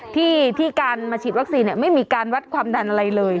ที่การมาฉีดวัคซีนไม่มีการวัดความดันอะไรเลย